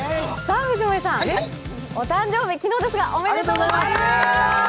藤森さん、お誕生日、昨日ですがおめでとうございます！